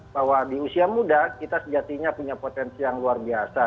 bahwa di usia muda kita sejatinya punya potensi yang luar biasa